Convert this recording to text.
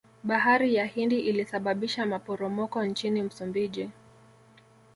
bahari ya hindi ilisababisha maporomoko nchini msumbiji